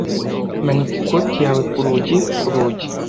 Manika ikoti yawe ku rugi ku rugi.